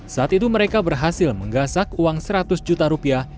saat itu mereka berhasil menggasak uang seratus juta rupiah